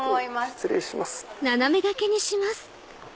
失礼します。